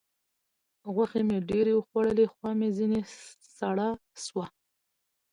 غوښې مې ډېرې وخوړلې؛ خوا مې ځينې سړه سوه.